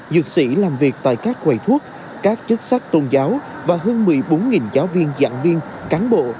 dược sĩ làm việc tại các quầy thuốc các chức sắc tôn giáo và hơn một mươi bốn giáo viên giảng viên cán bộ